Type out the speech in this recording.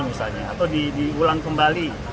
misalnya atau diulang kembali